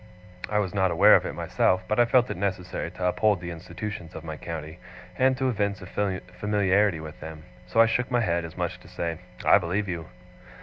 I was not aware of it myself, but I felt it necessary to uphold the institutions of my county, and to evince a familiarity with them; so I shook my head, as much as to say, 'I believe you!